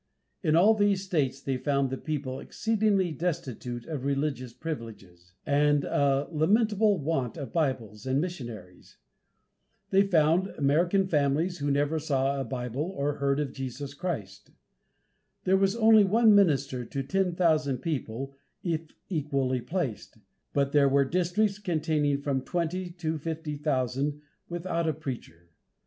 In all these states they found the people "exceedingly destitute of religious privileges," and a "lamentable want of Bibles and missionaries." They found "American families who never saw a Bible, or heard of Jesus Christ." There was only one minister to ten thousand people if equally placed; but there were districts containing from twenty to fifty thousand "without a preacher."